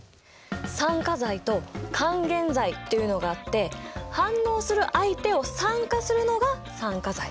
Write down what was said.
「酸化剤」と「還元剤」っていうのがあって反応する相手を酸化するのが「酸化剤」。